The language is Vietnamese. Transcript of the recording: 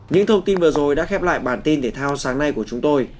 những thông tin vừa rồi đã khép lại bản tin thể thao sáng nay của chúng tôi